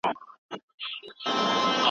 ما خپله ټوله انرژي په نننۍ لوبه کې وکاروله.